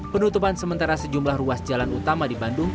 penutupan sementara sejumlah ruas jalan utama di bandung